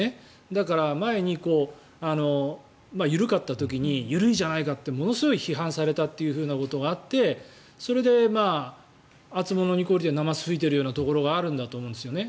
だから、前に緩かった時に緩いじゃないかってものすごい批判されたことがあってそれで、あつものに懲りてなますを吹いているようなところがあるんだと思うんですよね。